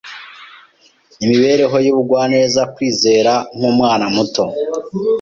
Imibereho y’ubugwaneza, kwizera nk’umwana muto,